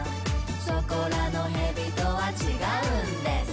「そこらのへびとはちがうんです！」